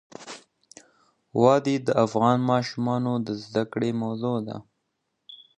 وادي د افغان ماشومانو د زده کړې موضوع ده.